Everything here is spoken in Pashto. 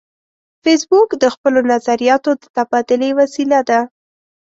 فېسبوک د خپلو نظریاتو د تبادلې وسیله ده